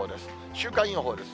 週間予報です。